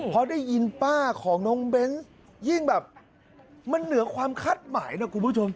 พอได้ยินป้าของน้องเบนส์ยิ่งแบบมันเหนือความคาดหมายนะคุณผู้ชม